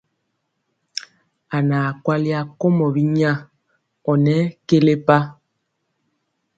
A naa kwali akomɔ binya ɔ nɔ kelepa.